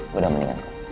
gue udah mendingan